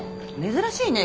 珍しいね。